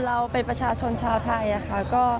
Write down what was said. เราเป็นประชาชนชาวไทยค่ะ